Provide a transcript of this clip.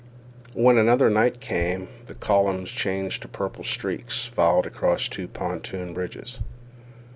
When another night came, the columns, changed to purple streaks, filed across two pontoon bridges.